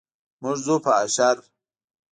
موږ ځو په اشر.